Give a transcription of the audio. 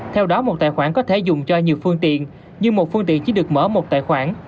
theo đó một tài khoản có thể dùng cho nhiều phương tiện nhưng một phương tiện chỉ được mở một tài khoản